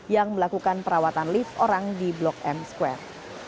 yang melakukan perawatan lift orang di blok m square